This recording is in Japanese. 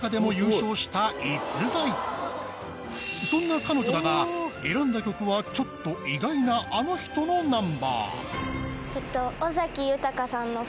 そんな彼女だが選んだ曲はちょっと意外なあの人のナンバー。